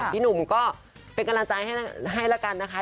พี่หนุ่มก็เป็นกำลังใจให้ละกันนะคะ